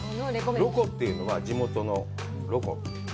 ロコというのは地元のロコ。